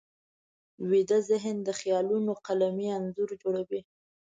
ویده ذهن د خیالونو قلمي انځور جوړوي